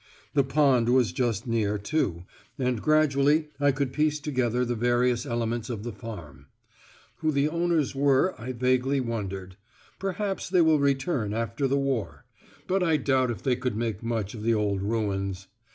The pond was just near, too, and gradually I could piece together the various elements of the farm. Who the owners were I vaguely wondered; perhaps they will return after the war; but I doubt if they could make much of the old ruins.